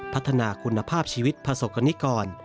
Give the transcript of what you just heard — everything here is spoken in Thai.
พัฒนาคุณภาพชีวิตประสบกรณิกร